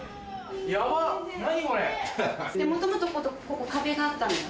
渾身のもともとここ壁があったのよ。